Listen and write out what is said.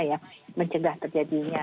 ya mencegah terjadinya